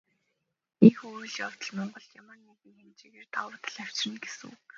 Иймэрхүү үйл явдал Монголд ямар нэгэн хэмжээгээр давуу тал авчирна гэсэн үг.